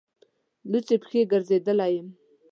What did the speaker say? لوڅې پښې ګرځېدلی یم.